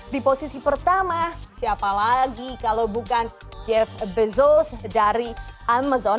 di posisi pertama siapa lagi kalau bukan jeff bezos dari amazon